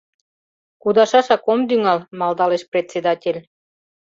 — Кудашашак ом тӱҥал, — малдалеш председатель.